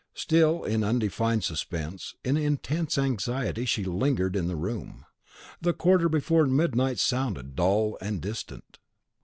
Still in undefined suspense, in intense anxiety, she lingered in the room. The quarter before midnight sounded, dull and distant.